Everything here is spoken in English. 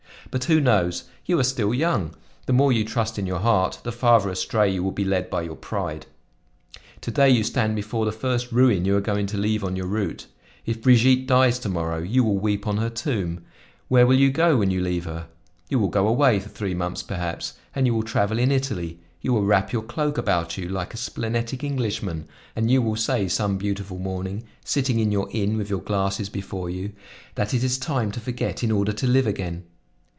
"But who knows? You are still young. The more you trust in your heart, the farther astray you will be lead by your pride. To day you stand before the first ruin you are going to leave on your route. If Brigitte dies to morrow you will weep on her tomb; where will you go when you leave her? You will go away for three months perhaps, and you will travel in Italy; you will wrap your cloak about you, like a splenetic Englishman, and you will say some beautiful morning, sitting in your inn with your glasses before you, that it is time to forget in order to live again.